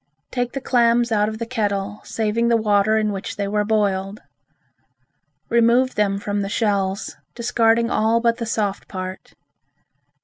Take the clams out of the kettle, saving the water in which they were boiled. Remove them from the shells, discarding all but the soft part.